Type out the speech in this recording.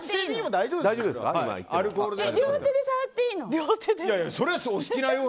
大丈夫ですよ。